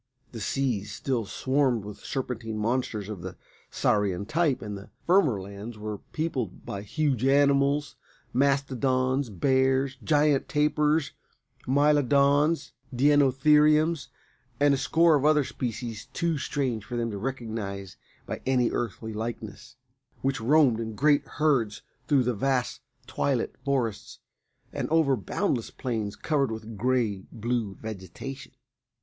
The seas still swarmed with serpentine monsters of the saurian type, and the firmer lands were peopled by huge animals, mastodons, bears, giant tapirs, mylodons, deinotheriums, and a score of other species too strange for them to recognise by any Earthly likeness, which roamed in great herds through the vast twilit forests and over boundless plains covered with grey blue vegetation.